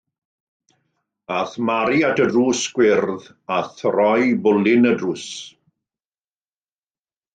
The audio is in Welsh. Aeth Mary at y drws gwyrdd a throi bwlyn y drws.